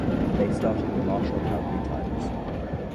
They started the "Marshall County Times".